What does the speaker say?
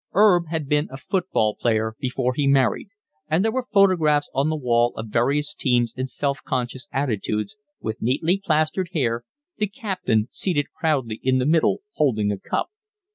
'Erb had been a football player before he married, and there were photographs on the wall of various teams in self conscious attitudes, with neatly plastered hair, the captain seated proudly in the middle holding a cup.